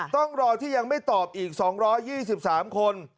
ต้องรอที่ยังไม่ตอบอีก๒๒๓คน